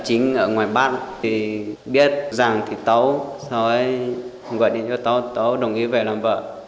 chính ở ngoài bắc thì biết rằng thì tấu sau ấy gọi điện cho tấu tấu đồng ý về làm vợ